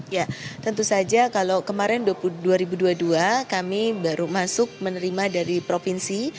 ya tentu saja kalau kemarin dua ribu dua puluh dua kami baru masuk menerima dari provinsi